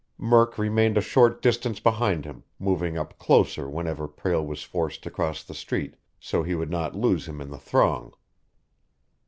Murk remained a short distance behind him, moving up closer whenever Prale was forced to cross the street, so he would not lose him in the throng.